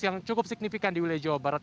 yang cukup signifikan di wilayah jawa barat